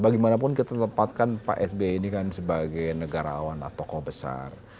bagaimanapun kita tempatkan pak sbe ini sebagai negarawan atau tokoh besar